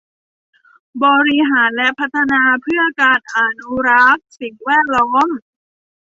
บริหารและพัฒนาเพื่อการอนุรักษ์สิ่งแวดล้อม